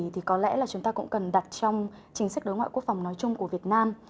thì có lẽ là chúng ta cũng cần đặt trong chính sách đối ngoại quốc phòng nói chung của việt nam